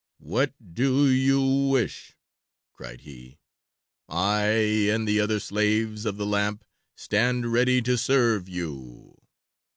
"What do you wish?" cried he. "I and the other slaves of the lamp stand ready to serve you."